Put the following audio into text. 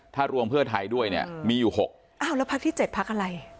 ถ้ารวมเพื่อไทยด้วยเนี่ยมีอยู่หกอ้าวแล้วพักที่เจ็ดพักอะไร